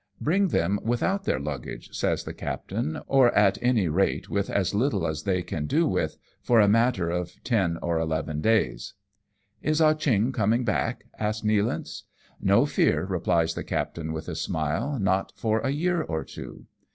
"Bring them without their luggage," says the captain, " or at any rate, with as little as they can do with, for a matter of ten or eleven days." " Is Ah Cheong coming back ?" asks Nealance. "No fear," replies the captain with a smile, "not for a year or two."